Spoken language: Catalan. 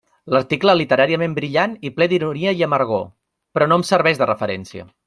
Article literàriament brillant i ple d'ironia i amargor, però que no em serveix de referència.